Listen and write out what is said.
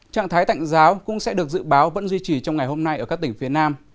trạng thái tạnh giáo cũng sẽ được dự báo vẫn duy trì trong ngày hôm nay ở các tỉnh phía nam